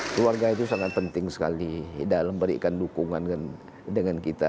keluarga itu sangat penting sekali dalam memberikan dukungan dengan kita